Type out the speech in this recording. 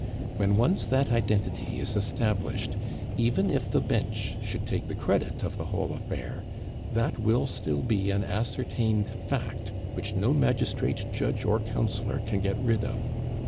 "When once that identity is established, even if the Bench should take the credit of the whole affair, that will still be an ascertained fact which no magistrate, judge, or councillor can get rid of.